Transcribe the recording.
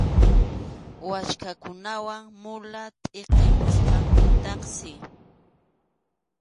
Waskhakunawan mula tʼiqimusqankutaqsi.